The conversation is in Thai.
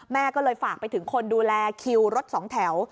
แม่ก็เลยฝากไปถึงคนดูแลคิวรถสองแถว